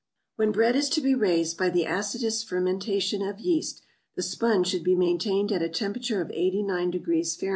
When bread is to be raised by the acetous fermentation of yeast, the sponge should be maintained at a temperature of 89° Fahr.